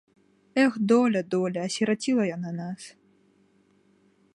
Эх, доля, доля, асіраціла яна нас.